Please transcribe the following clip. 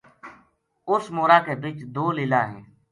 اس مورا کے بچ دو لیلا ہیں